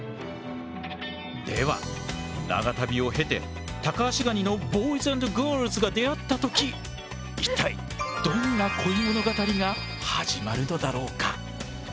では長旅を経てタカアシガニのボーイズ＆ガールズが出会った時一体どんな恋物語が始まるのだろうか？